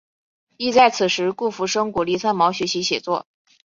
亦在此时顾福生鼓励三毛学习写作。